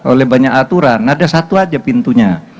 oleh banyak aturan ada satu aja pintunya